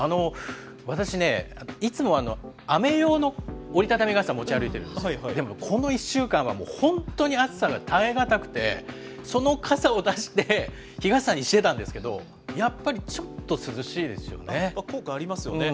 私ね、いつも雨用の折り畳み傘持ち歩いているんですが、でもこの１週間は、本当に暑さが耐え難くて、その傘を出して日傘にしてたんですけど、やっぱりちょっと涼効果ありますよね。